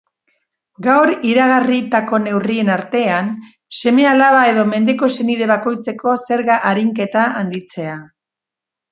Gaur iragarritako neurrien artean, seme-alaba edo mendeko senide bakoitzeko zerga-arinketa handitzea.